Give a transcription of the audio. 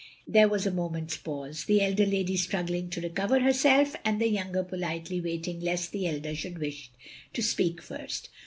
There was a moment's pause; the elder lady struggling to recover herself, and the younger politely waiting lest the elder should wish to speak first.